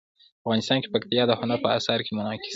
افغانستان کې پکتیا د هنر په اثار کې منعکس کېږي.